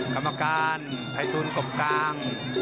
คำอาการไทยทูลกบกลาง